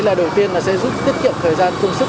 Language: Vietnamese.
đầu tiên sẽ giúp tiết kiệm thời gian công sức